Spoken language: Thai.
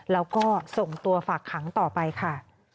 แล้วก็ส่งตัวฝากขังต่อไปค่ะ